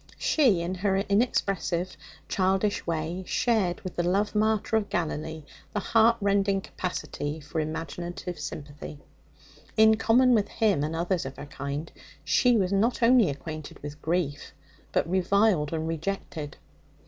She, in her inexpressive, childish way, shared with the love martyr of Galilee the heartrending capacity for imaginative sympathy. In common with Him and others of her kind, she was not only acquainted with grief, but reviled and rejected.